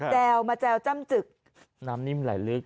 แววมาแจวจ้ำจึกน้ำนิ่มไหลลึก